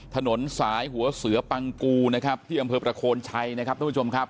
ถนนสายหัวเสือปังกูนะครับที่อำเภอประโคนชัยนะครับท่านผู้ชมครับ